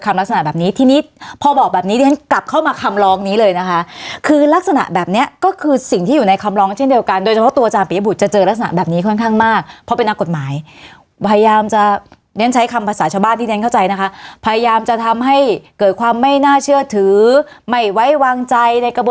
ลักษณะแบบนี้ทีนี้พอบอกแบบนี้เรียนกลับเข้ามาคำลองนี้เลยนะคะคือลักษณะแบบเนี้ยก็คือสิ่งที่อยู่ในคำร้องเช่นเดียวกันโดยเฉพาะตัวอาจารย์ปริยบุตรจะเจอลักษณะแบบนี้ค่อนข้างมากเพราะเป็นนักกฎหมายพยายามจะเรียนใช้คำภาษาชาวบ้านที่ฉันเข้าใจนะคะพยายามจะทำให้เกิดความไม่น่าเชื่อถือไม่ไว้วางใจในกระบ